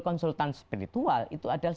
konsultan spiritual itu adalah